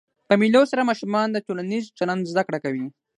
په مېلو سره ماشومان د ټولنیز چلند زده کړه کوي.